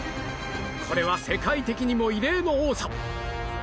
これは世界的にも異例の多さ！